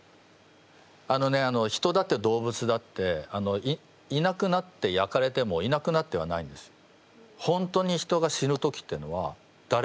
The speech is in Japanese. あのね人だって動物だっていなくなって焼かれてもいなくなってはないんですよ。